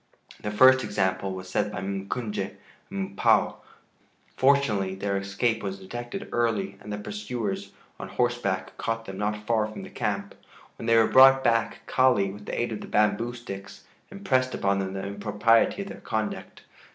The first example was set by M'Kunje and M'Pua. Fortunately their escape was detected early, and pursuers on horseback caught them not far from the camp; when they were brought back Kali, with the aid of the bamboo sticks, impressed upon them the impropriety of their conduct.